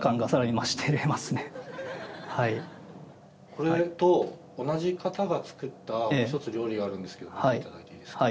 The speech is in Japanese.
これと同じ方が作ったもう一つ料理があるんですけど見て頂いていいですか？